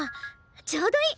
ちょうどいい。